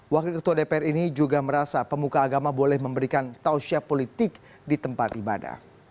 wakil ketua dpr ini juga merasa pemuka agama boleh memberikan tausiah politik di tempat ibadah